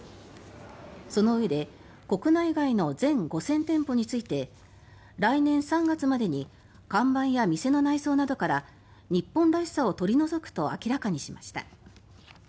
そのうえで、国内外の全５０００店舗について来年３月までに看板や店の内装などから日本らしさを取り除くと明らかにしました。